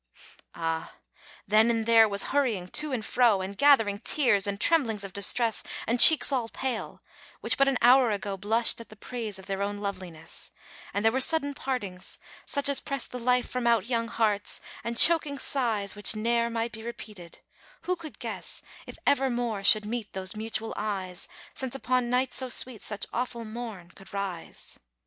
Ah! then and there was hurrying to and fro, And gathering tears, and tremblings of distress, And cheeks all pale, which but an hour ago Blushed at the praise of their own loveliness; And there were sudden partings, such as press The life from out young hearts, and choking sighs Which ne'er might be repeated: who could guess If ever more should meet those mutual eyes, Since upon night so sweet such awful morn could rise!